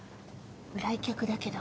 来客だけど。